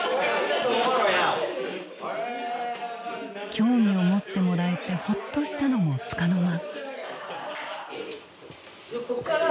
興味を持ってもらえてほっとしたのもつかの間。